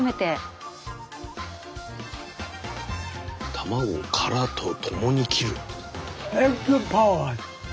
卵殻と共に切る。